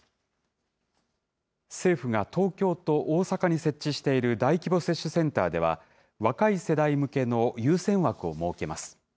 政府が東京と大阪に設置している大規模接種センターでは、若い世代向けの優先枠を設けます。